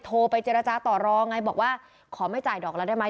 โทรไปเจรจาต่อรองไงบอกว่าขอไม่จ่ายดอกแล้วได้ไหม